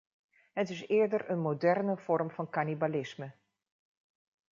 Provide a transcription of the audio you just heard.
Het is eerder een moderne vorm van kannibalisme.